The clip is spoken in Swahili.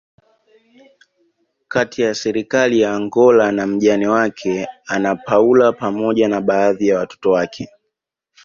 kati ya serikali ya Angola na mjane wake Ana Paula pamoja na baadhi ya watoto wake